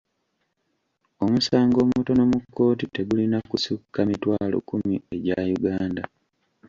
Omusango omutono mu kkooti tegulina kusukka mitwalo kkumi egya Uganda.